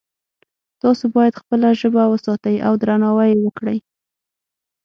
تاسو باید خپله ژبه وساتئ او درناوی یې وکړئ